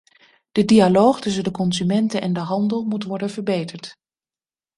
De dialoog tussen de consumenten en de handel moet worden verbeterd.